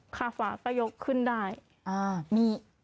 ขาขวาก็ยกขึ้นได้